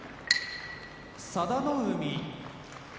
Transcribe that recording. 佐田の海